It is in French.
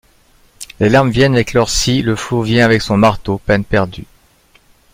Les lames viennent avec leur scie, le flot vient avec son marteau ; peine perdue.